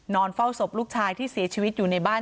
เฝ้าศพลูกชายที่เสียชีวิตอยู่ในบ้าน